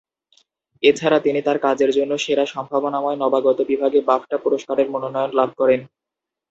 এছাড়া তিনি তার এই কাজের জন্য সেরা সম্ভাবনাময় নবাগত বিভাগে বাফটা পুরস্কারের মনোনয়ন লাভ করেন।